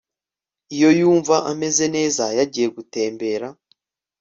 Iyo yumva ameze neza yagiye gutembera